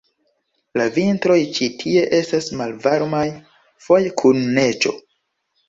La vintroj ĉi tie estas malvarmaj, foje kun neĝo.